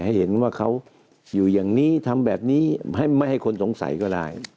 ให้เห็นว่าเขาอยู่อย่างนี้ทำแบบนี้ไม่ให้คนสงสัยก็ได้